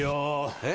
えっ？